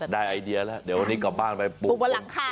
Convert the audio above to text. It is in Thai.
ไอเดียแล้วเดี๋ยววันนี้กลับบ้านไปปลูกบนหลังคา